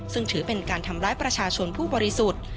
ซึ่งถือเป็นการทำร้ายประชาชนผู้บริสุทธิ์